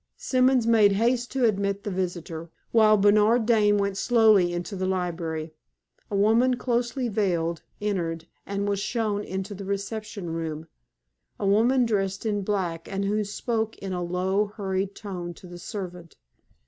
Simons made haste to admit the visitor, while Bernard Dane went slowly into the library. A woman closely veiled entered, and was shown into the reception room a woman dressed in black, and who spoke in a low, hurried tone to the servant.